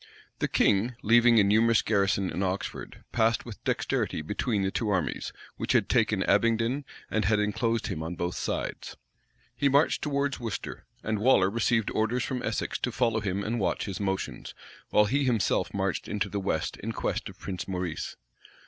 The king, leaving a numerous garrison in Oxford, passed with dexterity between the two armies, which had taken Abingdon, and had enclosed him on both sides. He marched towards Worcester; and Waller received orders from Essex to follow him and watch his motions, while he himself marched into the west, in quest of Prince Maurice.